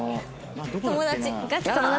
友達。